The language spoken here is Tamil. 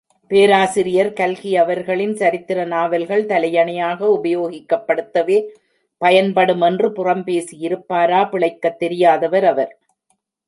பேராசிரியர் கல்கி அவர்களின் சரித்திர நாவல்கள் தலையணையாக உபயோகப்படுத்தவே பயன்படும் என்று புறம் பேசியிருப்பாரா? பிழைக்கத் தெரியாதவர் அவர்!